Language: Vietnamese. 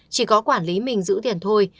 chỉ có quản lý mình giữ tiền thôi